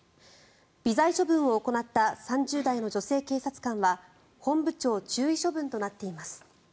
微罪処分を行った３０代の女性警察官は本部長注意処分となっています。